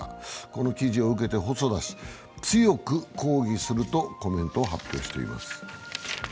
この記事を受けて細田氏、強く抗議するとコメントを発表しています。